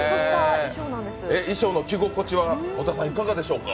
衣装の着心地はいかがでしょうか？